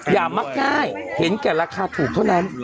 มักง่ายเห็นแก่ราคาถูกเท่านั้น